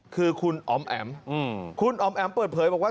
คือคุณอ๋อมแอ๋มคุณอ๋อมแอ๋มเปิดเผยบอกว่า